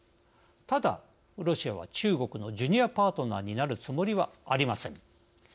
ただロシアは中国のジュニアパートナーになるつもりはありません。